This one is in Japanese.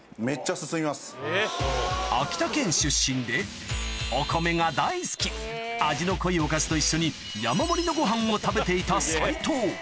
秋田県出身で味の濃いおかずと一緒に山盛りのご飯を食べていた齊藤